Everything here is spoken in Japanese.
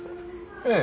ええ。